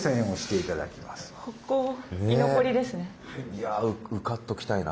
いや受かっときたいな。